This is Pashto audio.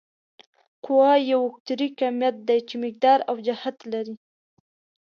قوه یو وکتوري کمیت دی چې مقدار او جهت لري.